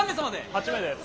８名です。